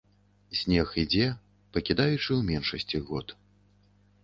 Снег ідзе, пакідаючы ў меншасці год.